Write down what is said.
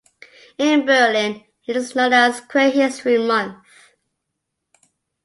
In Berlin, It is known as Queer History Month.